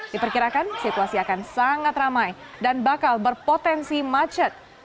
diperkirakan situasi akan sangat ramai dan bakal berpotensi macet